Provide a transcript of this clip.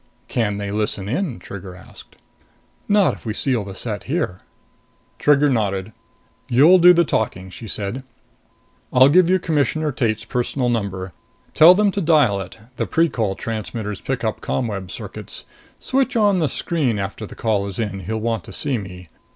"Can they listen in?" Trigger asked. "Not if we seal the set here." Trigger nodded. "You'll do the talking," she said. "I'll give you Commissioner Tate's personal number. Tell them to dial it. The Precol transmitters pick up ComWeb circuits. Switch on the screen after the call is in; he'll want to see me.